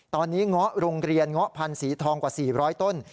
ตอนนี้เงาะโรงเรียนเงาะพันธุ์สีทองกว่า๔๐๐ต้น